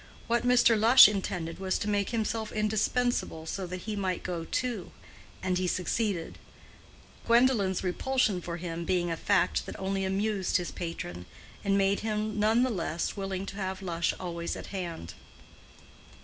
What Mr. Lush intended was to make himself indispensable so that he might go too, and he succeeded; Gwendolen's repulsion for him being a fact that only amused his patron, and made him none the less willing to have Lush always at hand.